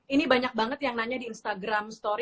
ini banyak banget yang nanya di instagram story